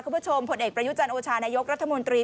คุณผู้ชมผลเอกประยุจันทร์โอชานายกรัฐมนตรี